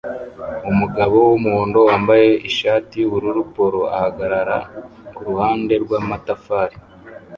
Umugabo wumuhondo wambaye ishati yubururu polo ahagarara kuruhande rwamatafari